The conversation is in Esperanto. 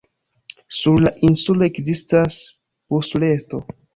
Sur la insulo ekzistas busreto.